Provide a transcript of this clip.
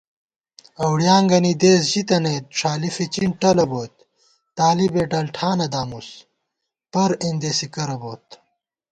اؤڑیانگَنی دېس ژِی تنَئیت ݭالی فِچِن ٹلہ بوئیت * طالِبےڈلٹھانہ دامُس پر اېندېسےکرہ بوت